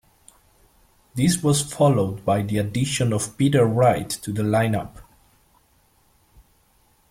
This was followed by the addition of Peter Wright to the line-up.